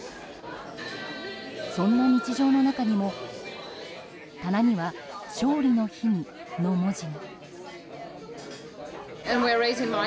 そんな日常の中にも棚には「勝利の日に」の文字が。